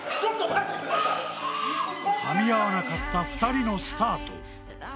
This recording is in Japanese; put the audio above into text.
かみ合わなかった２人のスタート